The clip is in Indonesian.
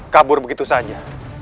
kabur begitu saja